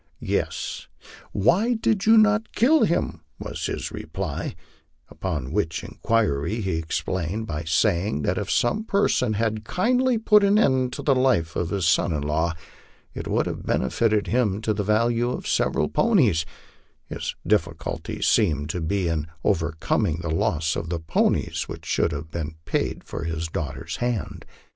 "Yes. Why did you not kill him?" was his reply, which upon inquiry he explained by saying that if some person had kindly put an end to the life of his son in law, it would have benefited him to the value of several ponies; his difficulty geeming to be in overcoming the loss of the ponies which should have been paid for his daughter's hand.